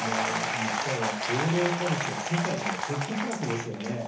日本は高齢化率が世界でもトップクラスですよね。